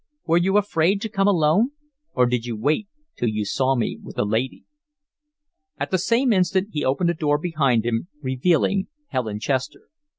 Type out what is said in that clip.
"Were you afraid to come alone, or did you wait till you saw me with a lady?" At the same instant he opened a door behind him, revealing Helen Chester.